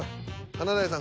華大さん